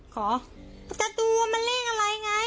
ขอแต่ตัวมันเลขอะไรไง